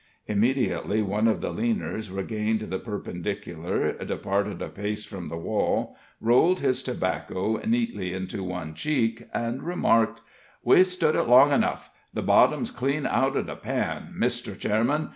Immediately one of the leaners regained the perpendicular, departed a pace from the wall, rolled his tobacco neatly into one cheek, and remarked: "We've stood it long enough the bottom's clean out of the pan, Mr. Chairman.